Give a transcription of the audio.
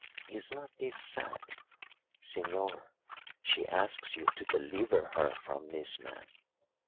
Is not this sad? Señor, she asks you to deliver her from this man.